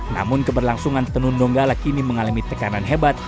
namun keberlangsungan tenun donggala kini mengalami tekanan hebat